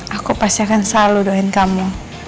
aku pasti akan selalu doain kamu